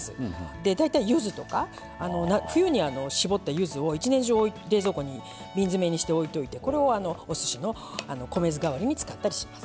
で大体ゆずとか冬に搾ったゆずを一年中冷蔵庫に瓶詰めにして置いといてこれをおすしの米酢代わりに使ったりします。